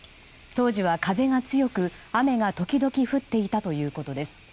当時は風が強く、雨が時々降っていたということです。